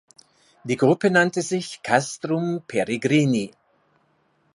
Die Gruppe nannte sich Castrum Peregrini.